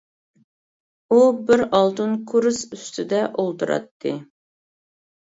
ئۇ بىر ئالتۇن كۇرس ئۈستىدە ئولتۇراتتى.